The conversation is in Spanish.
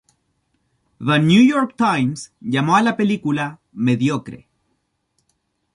The New York Times llamo a la película "mediocre".